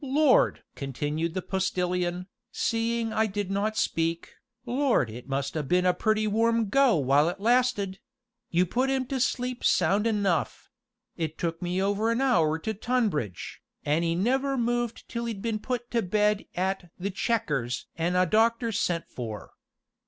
Lord!" continued the Postilion, seeing I did not speak, "Lord! it must 'a' been a pretty warm go while it lasted you put 'im to sleep sound enough; it took me over a hour to Tonbridge, an' 'e never moved till 'e'd been put to bed at 'The Chequers' an' a doctor sent for.